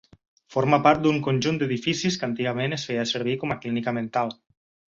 Forma part d'un conjunt d'edificis que antigament es feia servir com a clínica mental.